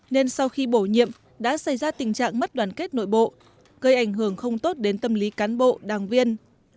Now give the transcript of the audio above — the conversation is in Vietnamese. nên sau khi bổ nhiệm đã xảy ra tình trạng mất đoàn kết nội bộ gây ảnh hưởng không tốt đến tâm lý cán bộ đảng viên